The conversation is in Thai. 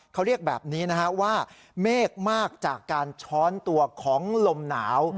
เขาเรียกแบบนี้นะฮะว่าเมฆมากจากการช้อนตัวของลมหนาว